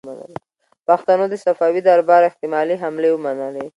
پښتنو د صفوي دربار احتمالي حملې ومنلې.